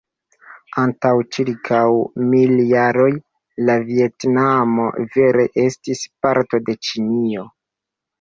Antaŭ ĉirkaŭ mil jaroj, la Vjetnamo vere estis parto de Ĉinio.